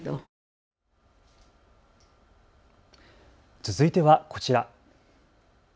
続いてはこちら。